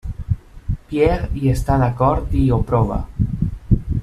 Pierre hi està d'acord i ho prova.